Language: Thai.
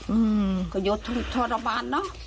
เอื้อยกโทร์บารเนาะ